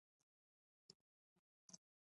بنسټګر یې ګوسټاف ای کارستن و.